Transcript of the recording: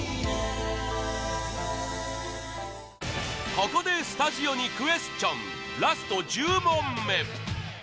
ここでスタジオにクエスチョンラスト１０問目！